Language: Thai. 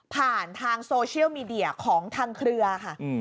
ผ่านทางโซเชียลมีเดียของทางเครือค่ะ